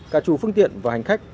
cả chủ phương tiện và hành khách